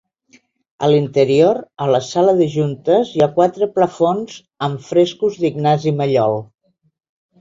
A l'interior, a la Sala de Juntes, hi ha quatre plafons amb frescos d'Ignasi Mallol.